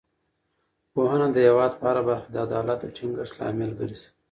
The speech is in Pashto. پوهنه د هېواد په هره برخه کې د عدالت د ټینګښت لامل ګرځي.